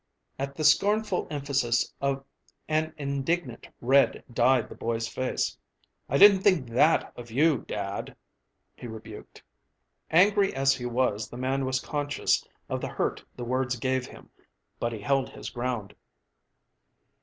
At the scornful emphasis an indignant red dyed the boy's face. "I didn't think that of you, dad," he rebuked. Angry as he was, the man was conscious of the hurt the words gave him. But he held his ground.